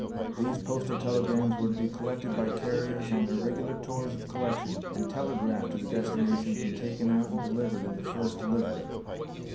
These postal telegrams were to be collected by carriers on their regular tours of collection and telegraphed to the destinations and taken out and delivered in the first delivery.